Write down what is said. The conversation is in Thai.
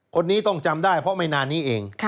คนนี้ต้องจำได้เพราะไม่นานนี้เอง